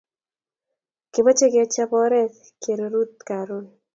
kimache kechap oret karerut karon